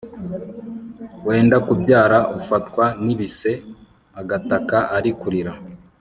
wenda kubyara ufatwa n ibise agataka ari kurira